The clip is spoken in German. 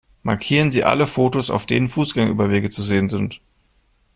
Markieren Sie alle Fotos, auf denen Fußgängerüberwege zu sehen sind!